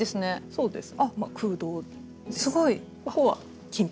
そうです。